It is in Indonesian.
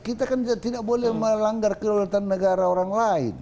kita tidak boleh melanggar kelelutan negara orang lain